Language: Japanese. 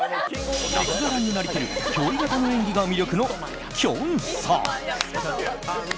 役柄になりきる憑依型の演技が魅力のきょんさん。